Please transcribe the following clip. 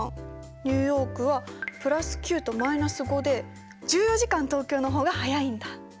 ニューヨークは＋９と−５で１４時間東京の方が早いんだ。